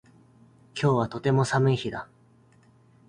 今日はとても寒い日だ